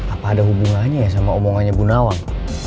apa ada hubungannya ya sama omongannya bu nawang